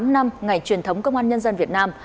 bảy mươi tám năm ngày truyền thống công an nhân dân việt nam